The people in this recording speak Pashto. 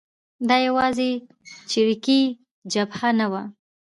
دا یوازې چریکي جبهه نه وه.